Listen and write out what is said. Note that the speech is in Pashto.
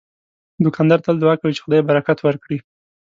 دوکاندار تل دعا کوي چې خدای برکت ورکړي.